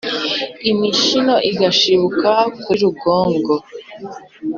imishino igashibuka kuri rugongo.